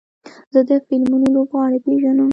زه د فلمونو لوبغاړي پیژنم.